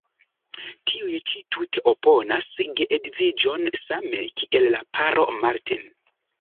Tiuj ĉi tute oponas geedziĝon, same kiel la paro Martin.